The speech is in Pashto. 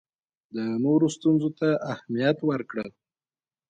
د نورو ستونزو ته اهمیت ورکړه.